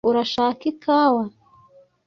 Urashaka ikawa?